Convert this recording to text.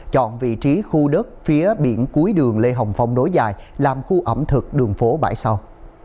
chọn vị trí khu đất phía biển cuối đường lê hồng phong đối dài làm khu ẩm thực đường phố bãi sau